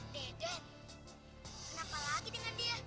tidak kenapa lagi dengan dia